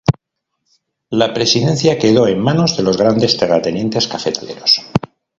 La presidencia quedó en manos de los grandes terratenientes cafetaleros.